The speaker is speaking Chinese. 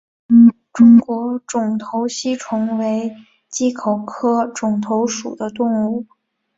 中国肿头吸虫为棘口科肿头属的动物。